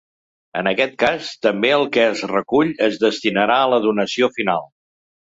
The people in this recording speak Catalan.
En aquest cas, també el que es recull es destinarà a la donació final.